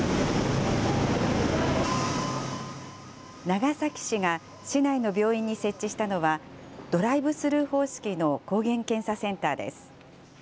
長崎市が市内の病院に設置したのは、ドライブスルー方式の抗原検査センターです。